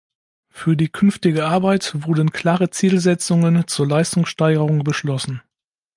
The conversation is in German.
Für die künftige Arbeit wurden klare Zielsetzungen zur Leistungssteigerung beschlossen.